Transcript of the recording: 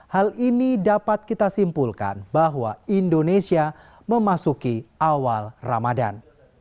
hal ini dapat kita simpulkan bahwa indonesia memasuki awal ramadan